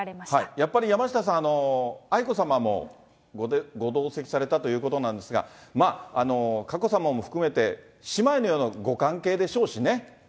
やっぱり山下さん、愛子さまもご同席されたということなんですが、佳子さまも含めて、姉妹のようなご関係でしょうしね。